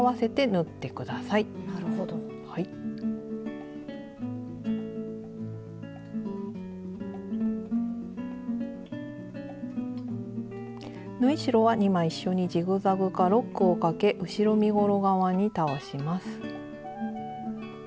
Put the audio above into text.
縫い代は２枚一緒にジグザグかロックをかけ後ろ身ごろ側に倒します。